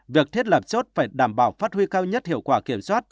việc thiết lập chốt phải đảm bảo phát huy cao nhất hiệu quả kiểm soát